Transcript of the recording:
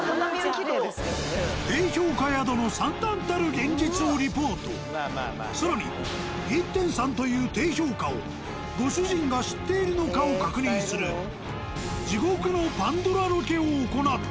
低評価宿の更に１．３という低評価をご主人が知っているのかを確認する地獄のパンドラロケを行った。